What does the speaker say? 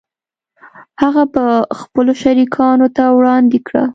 هغه به خپلو شریکانو ته وړاندې کړو